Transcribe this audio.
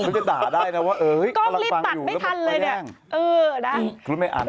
มันก็จะด่าได้นะว่าเอ๊ยกำลังฟังอยู่แล้วก็แย่ง